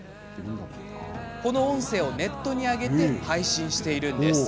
この音声をネットに上げて配信しているんです。